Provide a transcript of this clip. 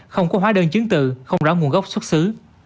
không có hóa đơn chứng từ không rõ nguồn gốc xuất xứ